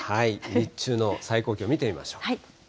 日中の最高気温見てみましょう。